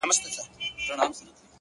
پوهه د شکونو تیاره روښانه کوي،